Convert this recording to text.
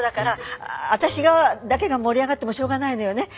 私がだけが盛り上がってもしょうがないのよね。